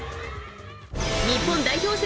日本代表戦